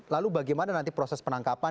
lalu bagaimana nanti proses penangkapan